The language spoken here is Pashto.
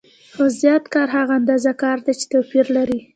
خو زیات کار هغه اندازه کار دی چې توپیر لري